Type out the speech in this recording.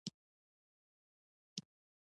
د انسان له زوکړې نه د هغه تر مرګه پورې دوام مومي.